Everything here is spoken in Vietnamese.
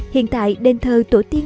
hiện tại đền thờ tổ tiên